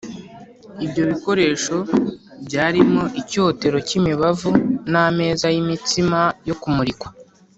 ibyo bikoresho byarimo icyotero cy’imibavu n ameza y’imitsima yo kumurikwa